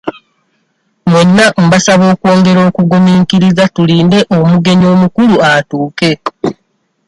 Mwenna mbasaba okwongera okugumiikiriza tulinde omugenyi omukulu atuuke.